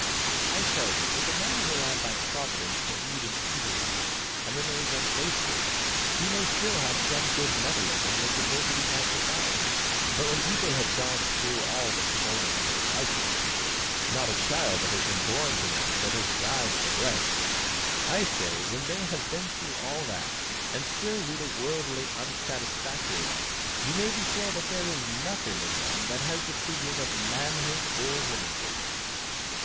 I tell you, if a man is allowed by Providence to lead an easy life, and remains unfaithful, he may still have some good metal in him which adversity might refine; but when people have gone through all that Toyner and his wife have been through not a child that has been born to them but has died at the breast I say, when they have been through all that, and still lead a worldly, unsatisfactory life, you may be sure that there is nothing in them that has the true ring of manhood or womanhood."